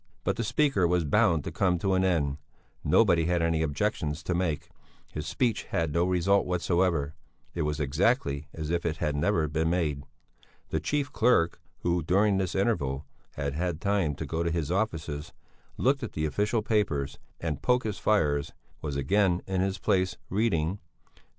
But the speaker was bound to come to an end; nobody had any objections to make; his speech had no result whatever; it was exactly as if it had never been made. The chief clerk, who during this interval had had time to go to his offices, look at the official papers, and poke his fires, was again in his place, reading: "72.